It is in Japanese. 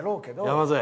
山添